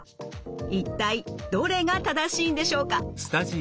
一体どれが正しいんでしょうか？